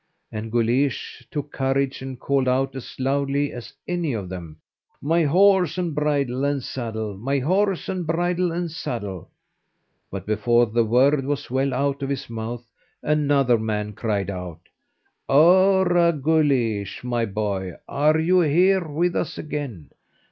and Guleesh took courage, and called out as loudly as any of them: "My horse, and bridle, and saddle! My horse, and bridle, and saddle!" But before the word was well out of his mouth, another man cried out: "Ora! Guleesh, my boy, are you here with us again?